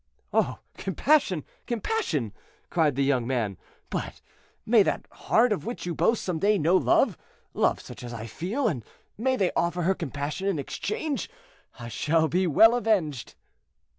"Oh! compassion, compassion!" cried the young man; "but may that heart of which you boast some day know love—love such as I feel, and may they offer her compassion in exchange; I shall be well avenged."